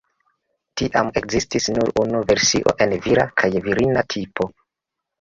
Tiam ekzistis nur unu versio en vira kaj virina tipo.